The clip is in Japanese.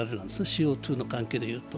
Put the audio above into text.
ＣＯ２の関係で言うと。